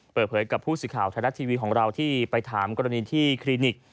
เปิดเผยกับผู้สื่อข่าวไทยรัฐทีวีของเราที่ไปถามกรณีที่คลินิก